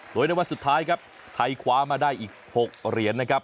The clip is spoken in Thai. โดยในวันสุดท้ายครับไทยคว้ามาได้อีก๖เหรียญนะครับ